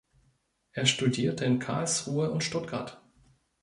Er studierte in Karlsruhe und Stuttgart.